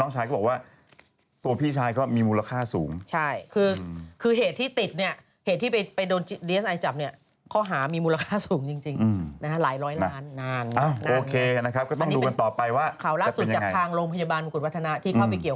ถังวัตรก็บอกว่ามันไม่มีธรรมเนียมน่ะถ้าต้องเผาศพเดียว